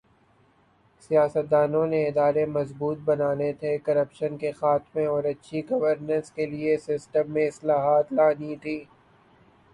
سیاستدانوں نے ادارے مضبوط بنانے تھے، کرپشن کے خاتمہ اور اچھی گورننس کے لئے سسٹم میں اصلاحات لانی تھی۔